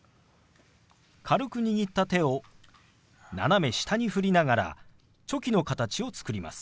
軽く握った手を斜め下に振りながらチョキの形を作ります。